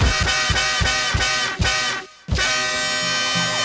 ร้านกุ้ยเตี๋ยวต้นฝนต้มยำโบราณที่จังหวัดขอนแก่น